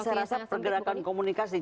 saya rasa pergerakan komunikasi